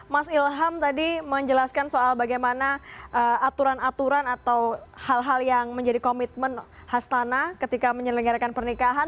mas ilham tadi menjelaskan soal bagaimana aturan aturan atau hal hal yang menjadi komitmen hastana ketika menyelenggarakan pernikahan